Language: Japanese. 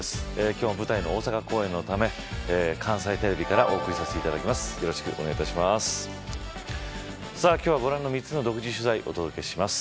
今日は舞台の大阪公演のため関西テレビからお送りさせていただきます。